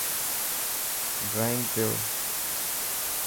ڊرانگ پيو.